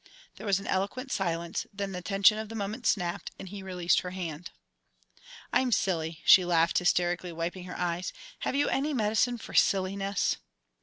There was an eloquent silence, then the tension of the moment snapped, and he released her hand. "I'm silly," she laughed hysterically, wiping her eyes. "Have you any medicine for silliness?"